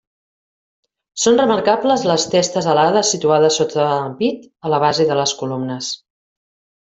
Són remarcables les testes alades situades sota l'ampit, a la base de les columnes.